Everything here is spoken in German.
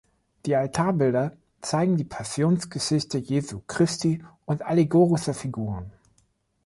Die Altarbilder zeigen die Passionsgeschichte Jesu Christi und allegorische Figuren.